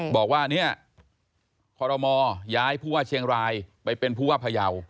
บอกว่าเนี่ยคอรมอย้ายผู้ว่าเชียงรายไปเป็นผู้ว่าพยาว